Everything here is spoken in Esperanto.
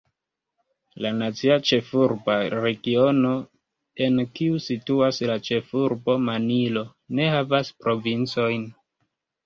La Nacia Ĉefurba Regiono, en kiu situas la ĉefurbo Manilo, ne havas provincojn.